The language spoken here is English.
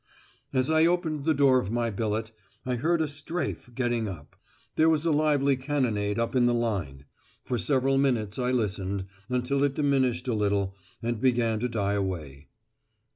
As I opened the door of my billet, I heard a "strafe" getting up. There was a lively cannonade up in the line; for several minutes I listened, until it diminished a little, and began to die away.